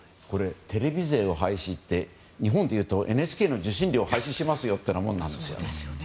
テレビ税を廃止って日本でいうとＮＨＫの受信料廃止みたいなものですよ。